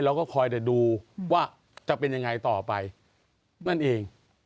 เราก็คอยแต่ดูว่าจะเป็นยังไงต่อไปนั่นเอง